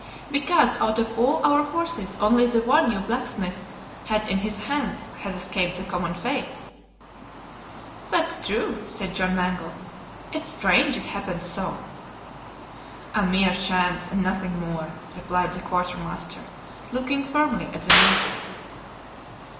"Because out of all our horses only the one your blacksmith had in his hands has escaped the common fate." "That's true," said John Mangles. "It's strange it happens so." "A mere chance, and nothing more," replied the quartermaster, looking firmly at the Major.